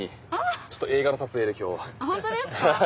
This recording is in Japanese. ちょっと映画の撮影で今日は。